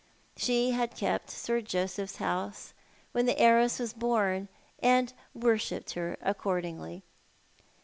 She had kept Sir Josepli's house when the heiress was born, and worshipped her accordingly.